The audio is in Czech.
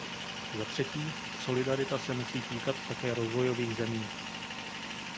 Zatřetí, solidarita se musí týkat také rozvojových zemí.